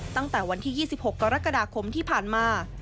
ตั้งแต่วันที่๒๖กรกฎาคมที่ผ่านมา